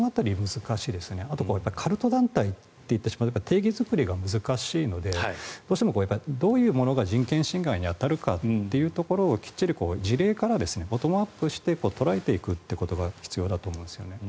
あとカルト団体っていっても定義作りが難しいのでどうしてもどういうものが人権侵害に当たるかということをきっちり事例からボトムアップして捉えていくことが必要だと思うんですね。